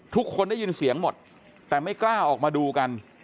ทุกคนได้ยินเสียงหมดแต่ไม่กล้าออกมาดูกัน